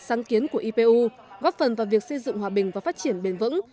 sáng kiến của ipu góp phần vào việc xây dựng hòa bình và phát triển bền vững